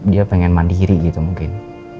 dia pengen mandiri gitu mungkin